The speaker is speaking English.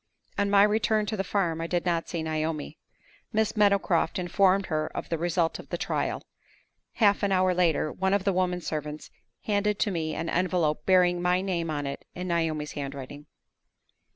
On my return to the farm, I did not see Naomi. Miss Meadowcroft informed her of the result of the trial. Half an hour later, one of the women servants handed to me an envelope bearing my name on it in Naomi's handwriting.